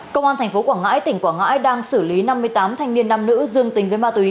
công an tp quảng ngãi tỉnh quảng ngãi đang xử lý năm mươi tám thanh niên nam nữ dương tình với ma túy